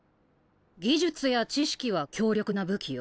技術や知識は強力な武器よ。